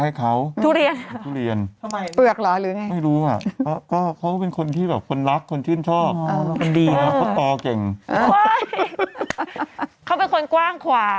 ได้เขาต้องได้อยู่แล้วหมดคนชอบไปให้เขา